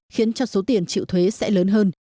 khiến cho số tiền chịu thuế sẽ lớn hơn